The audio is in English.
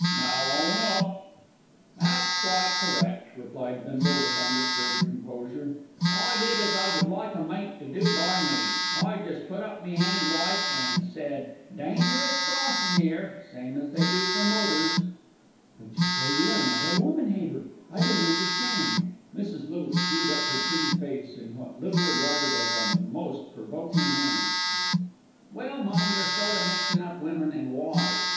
Now own up." "That's quite correct," replied Bindle, with undisturbed composure. "I did as I would like a mate to do by me, I jest put up me 'and like an' said, 'Dangerous crossin' 'ere,' same as they do for motors." "But you say you are not a woman hater; I don't understand." Mrs. Little screwed up her pretty face in what Little regarded as a most provoking manner. "Well, mum, you're sort o' mixin' up women an' wives.